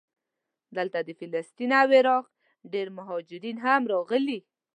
دلته د فلسطین او عراق ډېر مهاجرین هم راغلي.